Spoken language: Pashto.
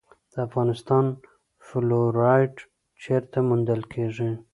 د افغانستان فلورایټ چیرته موندل کیږي؟